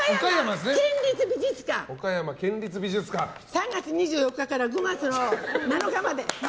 ３月２４日から５月の７日まで。